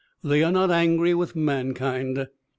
They are not angry with man kind.